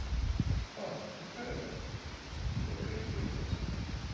Oh, you've heard of her — Gloria Gilbert.